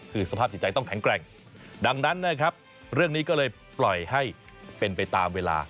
คือสภาพจิตใจต้องแข็งแกร่งดังนั้นนะครับเรื่องนี้ก็เลยปล่อยให้เป็นไปตามเวลา